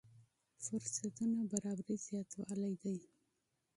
فرصتونو برابري زياتوالی دی.